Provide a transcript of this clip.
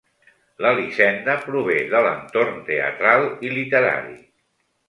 L'Elisenda prové de l'entorn teatral i literari.